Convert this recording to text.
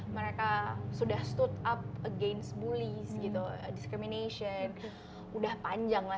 mereka sudah berdiri terhadap penyakit diskriminasi dan sebagainya